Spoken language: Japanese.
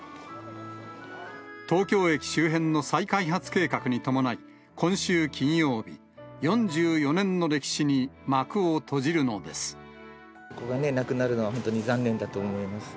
東京駅周辺の再開発計画に伴い、今週金曜日、ここがね、なくなるのは本当に残念だと思います。